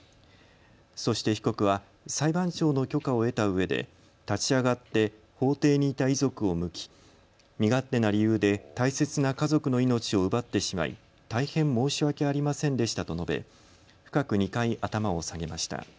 そして被告は、裁判長の許可を得たうえで立ち上がって法廷にいた遺族を向き、身勝手な理由で大切な家族の命を奪ってしまい大変申し訳ありませんでしたと述べ、深く２回、頭を下げました。